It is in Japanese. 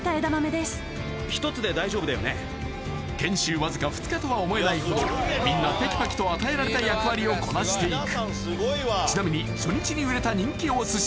わずか２日とは思えないほどみんなテキパキと与えられた役割をこなしていくちなみに初日に売れた人気お寿司